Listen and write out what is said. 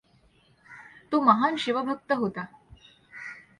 तो महान शिवभक्त होता.